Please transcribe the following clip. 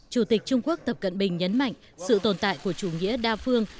chủ tịch trung quốc tập cận bình nhấn mạnh sự tồn tại của chủ nghĩa đa phương